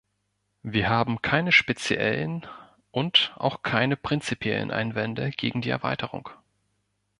Wir haben keine speziellen und auch keine prinzipiellen Einwände gegen die Erweiterung.